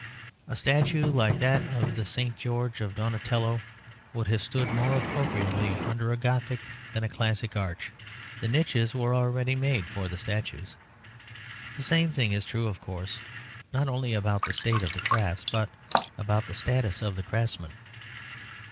A statue like the St. George of Donatello would have stood more appropriately under a Gothic than under a Classic arch. The niches were already made for the statues. The same thing is true, of course, not only about the state of the crafts but about the status of the craftsman.